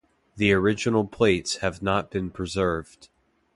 The original plates have not been preserved.